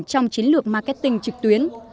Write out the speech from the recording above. trong chiến lược marketing trực tuyến